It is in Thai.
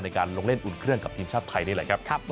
ในการลงเล่นอุ่นเครื่องกับทีมชาติไทยนี่แหละครับ